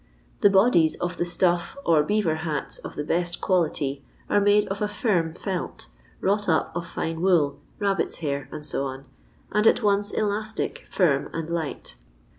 The bodies of the stuff or beaver hats of the best quality are made of a firm felt, wrought up of fine wool, rabbits' hair, &c., and at once elastic, I firm, and light.